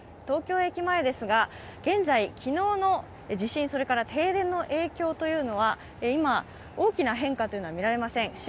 東京駅前ですが、現在、昨日の地震、そして停電の影響というのは、今、大きな変化は見られません。